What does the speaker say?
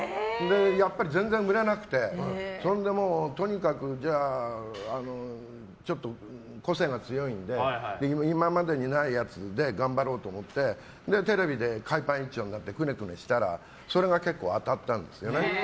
やっぱり全然売れなくてそれで、とにかくちょっと個性が強いので今までにないやつで頑張ろうと思ってテレビで海パン一丁になってくねくねしたらそれが結構、当たったんですよね。